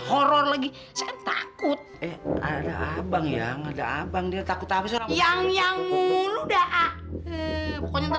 horror lagi takut abang yang ada abang dia takut apa yang yang ngulu dah ah pokoknya